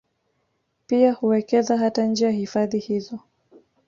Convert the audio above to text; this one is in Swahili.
Pia huwekeza hata nje ya hifadhi hizo